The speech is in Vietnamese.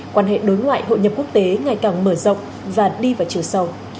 quan hệ đối ngoại hội nhập quốc tế ngày càng mở rộng và đi vào chiều sâu